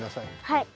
はい！